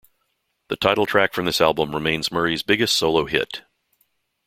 The title track from this album remains Murray's biggest solo hit.